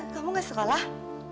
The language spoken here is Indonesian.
kamu gak sekolah